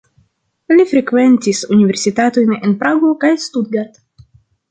Li frekventis universitatojn en Prago kaj Stuttgart.